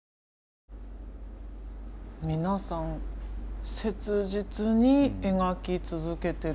皆さん切実に描き続けてる。